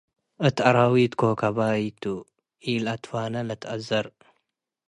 እት አራዊት ኮከባይቱ - ኢልተፋኔ ልትአዘር